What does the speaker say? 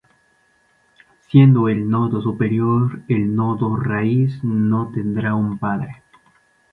Siendo el nodo superior, el nodo raíz no tendrá un padre.